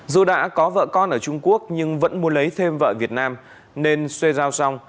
dù đã có vợ con ở trung quốc nhưng vẫn muốn lấy thêm vợ việt nam nên xoay rau rong